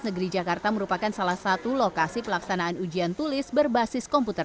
negeri jakarta merupakan salah satu lokasi pelaksanaan ujian tulis berbasis komputer